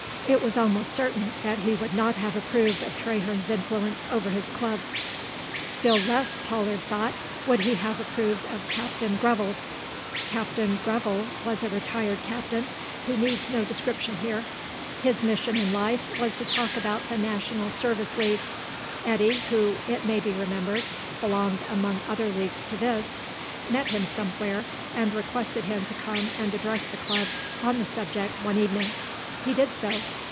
It was almost certain that he would not have approved of Traherne's influence over his clubs. Still less, Pollard thought, would he have approved of Captain Greville's. Captain Greville was a retired captain, who needs no description here. His mission in life was to talk about the National Service League. Eddy, who, it may be remembered, belonged among other leagues to this, met him somewhere, and requested him to come and address the club on the subject one evening. He did so.